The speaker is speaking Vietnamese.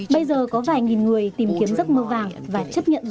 bây giờ có vài nghìn người tìm kiếm giấc mơ vàng và chấp nhận